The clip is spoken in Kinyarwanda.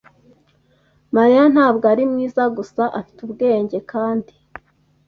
Mariya ntabwo ari mwiza gusa, afite ubwenge, kandi.